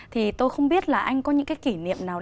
thì tôi không biết là anh có những cái kỷ niệm nào